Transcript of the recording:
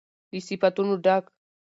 له صفتونو ډک